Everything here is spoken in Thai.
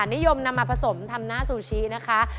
นิยมนำมาผสมทำหน้าซูชินะคะ